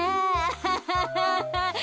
アハハハ。